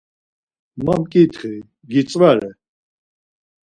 Ma mǩitxi, gitzvare.